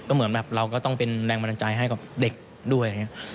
ก็เหมือนเราก็ต้องเป็นแรงบันดาลใจให้กับเด็กด้วย